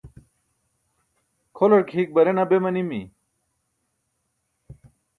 Kholar ke hik barena be manimi?